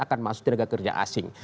akan masuk di negara kerja asing